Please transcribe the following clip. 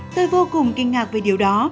tôi vô cùng kinh ngạc về điều đó